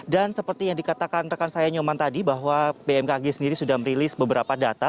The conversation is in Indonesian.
dan seperti yang dikatakan rekan saya nyoman tadi bahwa bmkg sendiri sudah merilis beberapa data